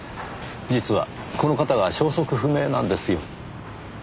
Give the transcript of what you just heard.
実はこの方が消息不明なんですよ。